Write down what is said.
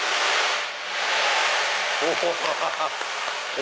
お！